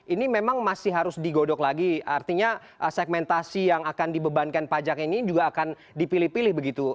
ini memang masih harus digodok lagi artinya segmentasi yang akan dibebankan pajak ini juga akan dipilih pilih begitu